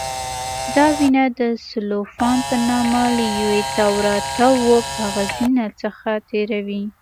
دا وینه د سلوفان په نامه له یو تاوراتاو کاغذي نل څخه تېروي.